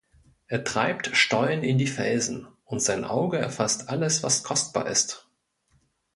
Er treibt Stollen in die Felsen, und sein Auge erfasst alles, was kostbar ist.